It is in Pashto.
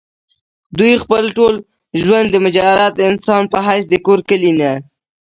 دوي خپل ټول ژوند د مجرد انسان پۀ حېث د کور کلي نه